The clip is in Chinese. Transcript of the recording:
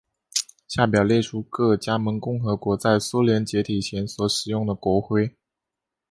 下表列出各加盟共和国在苏联解体前所使用的国徽。